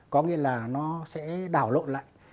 có nghĩa là nó sẽ đảo lộn lại